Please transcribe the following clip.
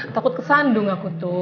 takut kesandung aku tuh